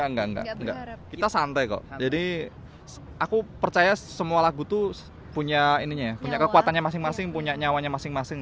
engga engga engga kita santai kok jadi aku percaya semua lagu tuh punya kekuatannya masing masing punya nyawanya masing masing